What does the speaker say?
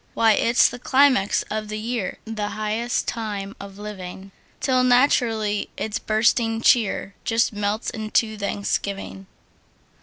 Why, it's the climax of the year, The highest time of living! Till naturally its bursting cheer Just melts into thanksgiving.